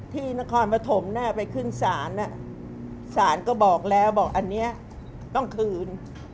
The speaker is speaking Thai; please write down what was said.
ที่นครเยอะถมหน้ากดขึ้นสารสารก็บอกแล้วบอกอันเนี่ยต้องคืน